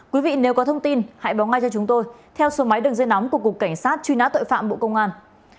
quý vị nếu có thông tin hãy báo ngay cho chúng tôi theo số máy đường dây nóng của cục cảnh sát truy nã tội phạm bộ công an